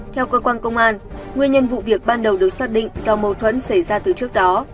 theo cơ quan công an nguyên nhân vụ việc ban đầu được xác định do mâu thuẫn xảy ra từ trước đó